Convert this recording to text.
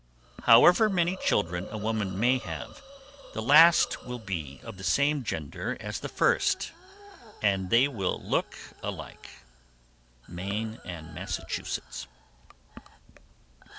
However many children a woman may have, the last will be of the same gender as the first, and they will look alike. _Maine and Massachusetts.